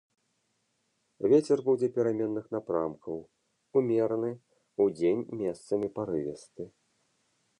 Вецер будзе пераменных напрамкаў, умераны, удзень месцамі парывісты.